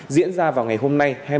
diễn ra vào ngày hôm nay